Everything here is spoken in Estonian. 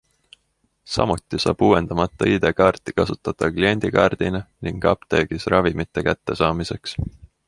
Samuti saab uuendamata ID-kaarti kasutada kliendikaardina ning apteegis ravimine kätte saamiseks.